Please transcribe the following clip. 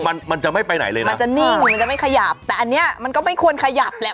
มันมันจะไม่ไปไหนเลยนะมันจะนิ่งมันจะไม่ขยับแต่อันเนี้ยมันก็ไม่ควรขยับแหละ